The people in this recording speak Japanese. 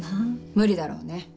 無理だろうね。